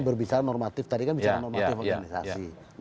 berbicara normatif tadi kan bicara normatif organisasi